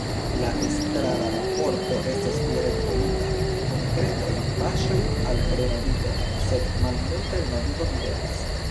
La Estrara Raporto estas fiere titolita “Konkretaj paŝoj al renovigo”, sed malmulta renovigo videblas.